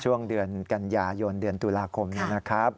ช่วงเดือนกันยายนเดือนตุลาคมนะครับ